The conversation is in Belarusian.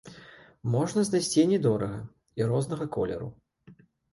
Можна знайсці і не дорага, і рознага колеру.